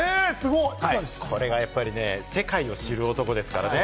これが世界を知る男ですからね。